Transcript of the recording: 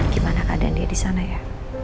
gimana keadaan dia di sana ya